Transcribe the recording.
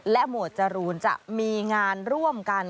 หมวดจรูนจะมีงานร่วมกัน